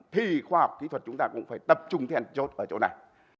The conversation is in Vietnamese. thì khoa học kỹ thuật chúng ta cũng phải tập trung then chốt ở chỗ này